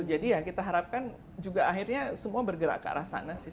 jadi ya kita harapkan juga akhirnya semua bergerak ke arah sana sih